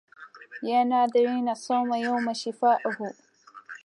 يا ناذرين الصوم يوم شفائه